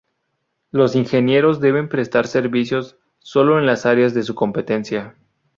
Los ingenieros deben prestar servicios sólo en las áreas de su competencia.